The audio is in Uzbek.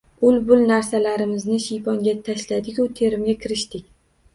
Ul-bul narsalarimizni shiyponga tashladigu terimga kirishdik.